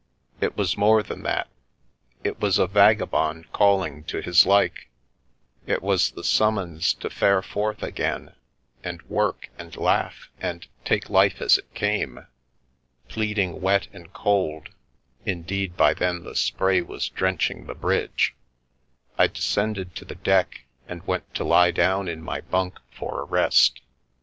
It was more than that, it was a vagabond calling to his like; it was the summons to fare forth again, and work and laugh and take life as it came. Pleading wet and cold — indeed by then the spray was drenching the bridge — I descended to the deck and went to lie down in my bunk for a rest.